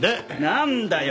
なんだよ！